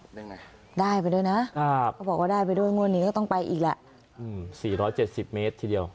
ได้ไงได้ไปด้วยนะครับเขาบอกว่าได้ไปด้วยงวดนี้ก็ต้องไปอีกแล้วอืมสี่ร้อยเจ็ดสิบเมตรทีเดียว